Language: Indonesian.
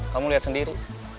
kamu liat sendiri